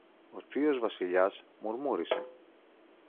Ο θείος Βασιλιάς, μουρμούρισε.